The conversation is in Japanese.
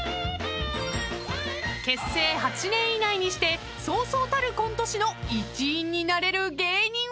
［結成８年以内にしてそうそうたるコント師の一員になれる芸人は？］